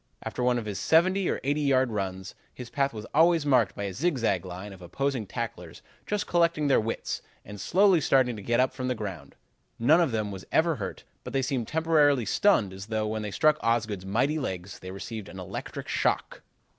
After one of his seventy or eighty yard runs his path was always marked by a zig zag line of opposing tacklers just collecting their wits and slowly starting to get up from the ground. None of them was ever hurt, but they seemed temporarily stunned as though, when they struck Osgood's mighty legs, they received an electric shock.